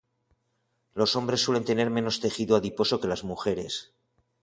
Los hombres suelen tener menos tejido adiposo que las mujeres.